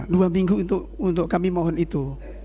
dua minggu untuk kami mohon itu